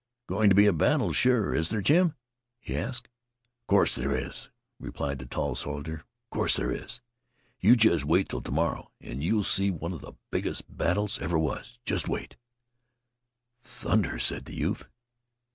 "Going to be a battle, sure, is there, Jim?" he asked. "Of course there is," replied the tall soldier. "Of course there is. You jest wait 'til to morrow, and you'll see one of the biggest battles ever was. You jest wait." "Thunder!" said the youth.